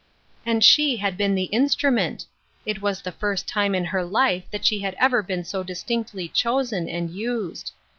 And she had been the instrument ! It was the first time in her life that she had ever been so distinctly chosen and used.